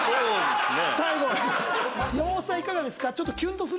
最後山本さんいかがですか？